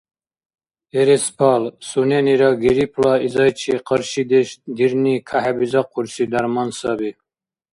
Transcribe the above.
Эреспал – суненира гриппла изайчи къаршидеш дирни кахӀебизахъурси дарман саби.